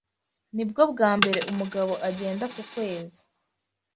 Nibwo bwa mbere umugabo agenda ku kwezi.